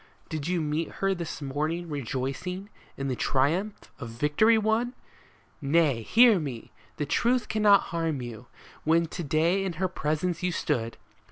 Did you meet her this morning rejoicing in the triumph of victory won ? Nay, hear me ! The truth cannot harm you. When to day in her presence you stood.